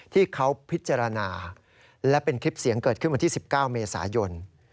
ที่เขาพิจารณาและเป็นคลิปเสียงเกิดขึ้นวันที่๑๙เมษายน